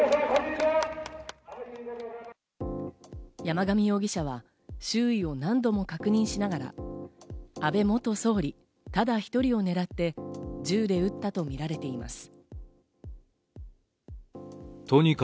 山上容疑者は周囲を何度も確認しながら、安倍元総理ただ一人を狙って、銃で撃ったとみられています。